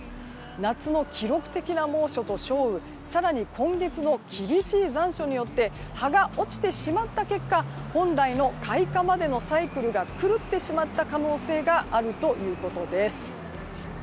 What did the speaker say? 夏の記録的な猛暑と少雨更に今月の厳しい残暑によって葉が落ちてしまった結果本来の開花までのサイクルが狂ってしまった可能性があるということです。